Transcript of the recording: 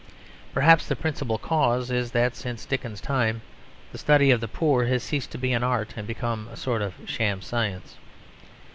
Perhaps the principal cause is that since Dickens's time the study of the poor has ceased to be an art and become a sort of sham science.